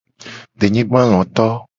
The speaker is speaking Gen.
Denyigbaloto.